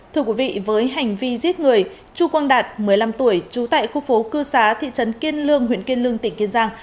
thưa quý vị với hành vi giết người chu quang đạt một mươi năm tuổi trú tại khu phố cư xá thị trấn kiên lương huyện kiên lương tỉnh kiên giang